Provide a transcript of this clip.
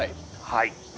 はい。